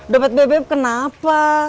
dompet bebep kenapa